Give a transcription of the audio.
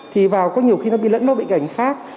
thì vào có nhiều khi nó bị lẫn vào bệnh cảnh khác